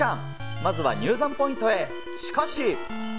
まずは入山ポイントへ。